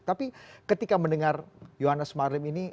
tapi ketika mendengar johannes marlim ini